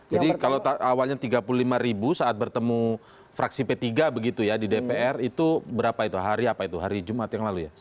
jadi kalau awalnya tiga puluh lima ribu saat bertemu fraksi p tiga begitu ya di dpr itu berapa itu hari apa itu hari jumat yang lalu ya